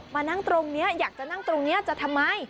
มานั่งตรงนี้อยากจะนั่งตรงนี้จะทำไม